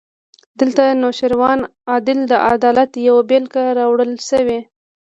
دلته د نوشیروان عادل د عدالت یوه بېلګه راوړل شوې.